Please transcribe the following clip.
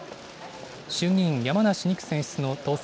衆議院山梨２区選出の当選